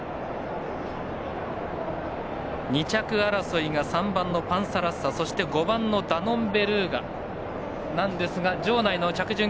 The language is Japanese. ２着争いが、３番のパンサラッサ、そして５番、ダノンベルーガですが場内の着順